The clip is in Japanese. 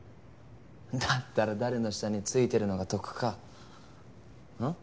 だったら誰の下についてるのが得かん？